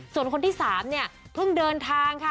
ส่วนคนที่๓เนี่ยเพิ่งเดินทางค่ะ